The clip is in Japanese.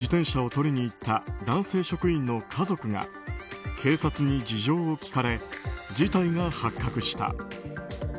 その後、この自転車を取りに行った男性職員の家族が警察に事情を聴かれ事態が発覚した。